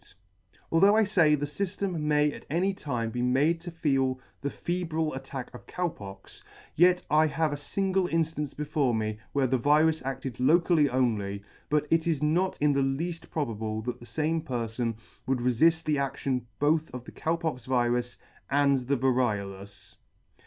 3 Although I fay the fyftem may at any time be made to feel the febrile attack of Cow Pox, yet I have a fingle inflance before me where the virus acted locally only, but it is not in the leaft pro bable that the fame perfon would. refill the action both of the Cow pox virus and the variolous.